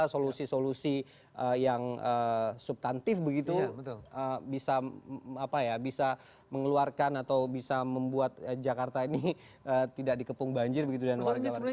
solusi solusi yang subtantif begitu bisa mengeluarkan atau bisa membuat jakarta ini tidak dikepung banjir begitu dan warga warga